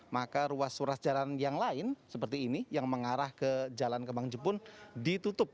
maka ruas ruas jalan yang lain seperti ini yang mengarah ke jalan kembang jepun ditutup